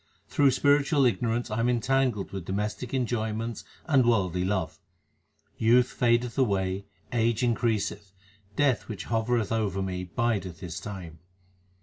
Through spiritual ignorance I am entangled with domes tic enjoyments and worldly love. Youth fadeth away, age increaseth, Death which hovereth over me bideth his time.